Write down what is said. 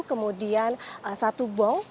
kemudian satu bong